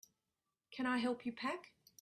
Can I help you pack?